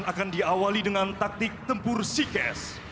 akan diawali dengan taktik tempur sikes